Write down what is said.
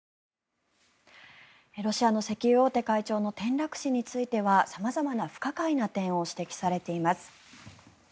ロシアの石油大手会長の転落死については様々な不可解な点を指摘されています。